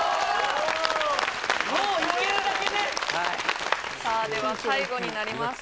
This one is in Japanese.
はいさあでは最後になります